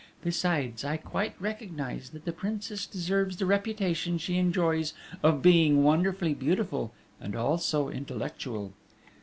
Besides, I quite recognise that the Princess deserves the reputation she enjoys of being wonderfully beautiful and also intellectual...."